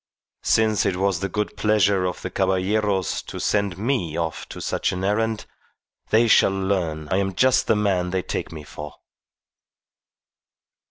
Since it was the good pleasure of the Caballeros to send me off on such an errand, they shall learn I am just the man they take me for."